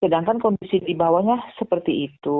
sedangkan kondisi di bawahnya seperti itu